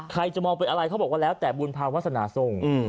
ใครจะมองเป็นอะไรเขาบอกว่าแล้วแต่บุญภาวาสนาทรง